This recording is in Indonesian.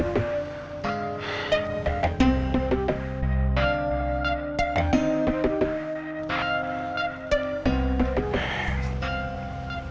nanti gue kabarin temen arisan yang lainnya